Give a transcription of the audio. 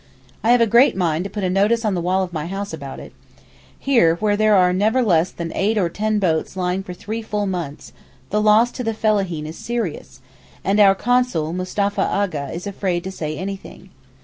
I have a great mind to put a notice on the wall of my house about it. Here, where there are never less than eight or ten boats lying for full three months, the loss to the fellaheen is serious, and our Consul Mustapha A'gha is afraid to say anything.